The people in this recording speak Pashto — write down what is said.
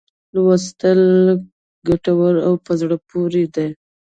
لوستل ګټور او په زړه پوري دي.